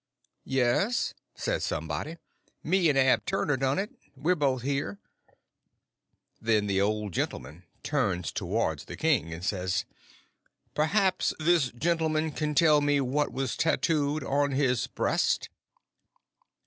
"Yes," says somebody, "me and Ab Turner done it. We're both here." Then the old man turns towards the king, and says: "Perhaps this gentleman can tell me what was tattooed on his breast?"